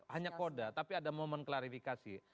hanya koda tapi ada momen klarifikasi